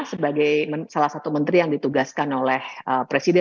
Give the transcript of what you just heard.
sebagai salah satu menteri yang ditugaskan oleh presiden